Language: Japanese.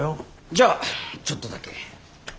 じゃあちょっとだけ。